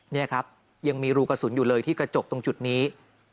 นี่ครับยังมีรูกระสุนอยู่เลยที่กระจกตรงจุดนี้